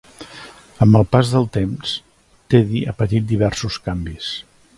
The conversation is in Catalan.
Amb el pas del temps, Teddy ha patit diversos canvis.